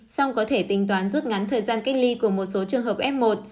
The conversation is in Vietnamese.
song có thể tính toán rút ngắn thời gian cách ly của một số trường hợp f một